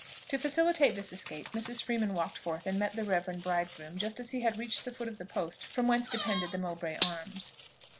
To facilitate this escape, Mrs. Freeman walked forth and met the reverend bridegroom just as he had reached the foot of the post from whence depended the Mowbray Arms.